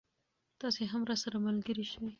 تاسې هم راسره ملګری شئ.